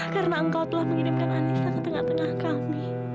karena engkau telah mengirimkan anissa ke tengah tengah kami